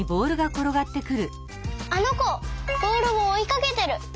あのこボールをおいかけてる！